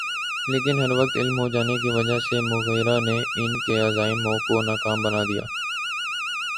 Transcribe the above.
لیکن بروقت علم ہو جانے کی وجہ سے مغیرہ نے ان کے عزائم کو ناکام بنا دیا۔